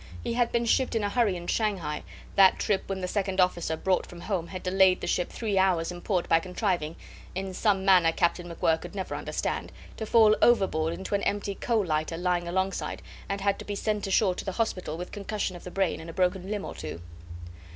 He had been shipped in a hurry in Shanghai, that trip when the second officer brought from home had delayed the ship three hours in port by contriving (in some manner Captain MacWhirr could never understand) to fall overboard into an empty coal lighter lying alongside, and had to be sent ashore to the hospital with concussion of the brain and a broken limb or two.